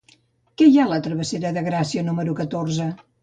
Què hi ha a la travessera de Gràcia número catorze?